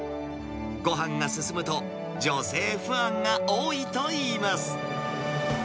ごはんが進むと、女性ファンが多いといいます。